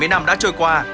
bảy mươi năm đã trôi qua